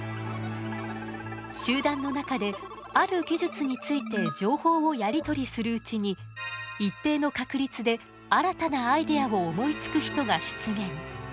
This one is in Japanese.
集団の中である技術について情報をやり取りするうちに一定の確率で新たなアイデアを思いつく人が出現。